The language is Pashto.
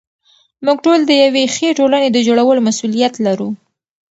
موږ ټول د یوې ښې ټولنې د جوړولو مسوولیت لرو.